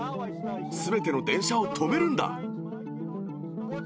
すべての電車を止めるんだ！